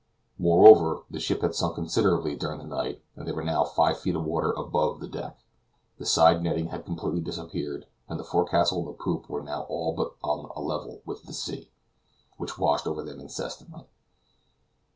Moreover, the ship had sunk considerably during the night, and there were now five feet of water above deck; the side netting had completely disappeared, and the forecastle and the poop were now all but on a level with the sea, which washed over them incessantly.